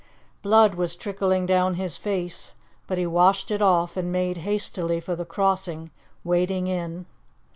Blood was trickling down his face, but he washed it off, and made hastily for the crossing, wading in.